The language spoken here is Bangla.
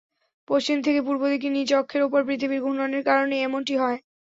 পশ্চিম থেকে পূর্বদিকে নিজ অক্ষের ওপর পৃথিবীর ঘূর্ণনের কারণেই এমনটি হয়।